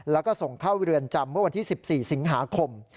แล้วก็ส่งเข้าเรือนจำเมื่อวันที่๑๔สิงหาคม